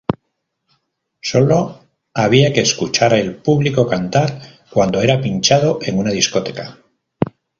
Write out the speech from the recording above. Sólo había que escuchar el público cantar, cuando era pinchado en una discoteca.